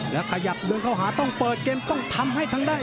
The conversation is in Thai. แล้วขยับเดินเข้าหาต้องเปิดเกมต้องทำให้ทางด้าน